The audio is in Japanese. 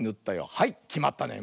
はいきまったね。